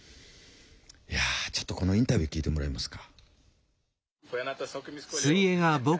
いやちょっとこのインタビュー聞いてもらえますか？